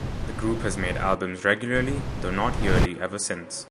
The group has made albums regularly, though not yearly, ever since.